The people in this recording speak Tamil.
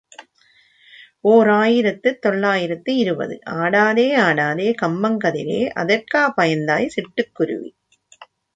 ஓர் ஆயிரத்து தொள்ளாயிரத்து இருபது ஆடாதே, ஆடாதே, கம்பங்கதிரே அதற்கா பயந்தாய் சிட்டுக்குருவி?